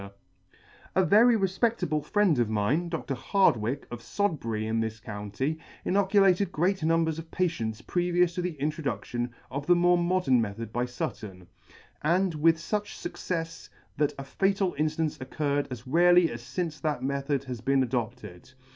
A very [ 54 ] A very refpeCtable friend of mine, Dr. Hardvvicke, of Sod bury in this county, inoculated great numbers of patients previous to the introduction of the more modern method by Sutton, and with fuch fuccefs, that a fatal initance occurred as rarely as lince that method has been adopted.